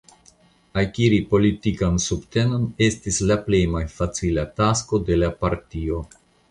Akiri politikan subtenon estis la plej malfacila tasko de la partio.